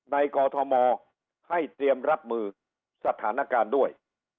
กอทมให้เตรียมรับมือสถานการณ์ด้วย